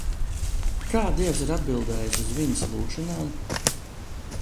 Kā Dievs ir atbildējis uz viņas lūgšanām?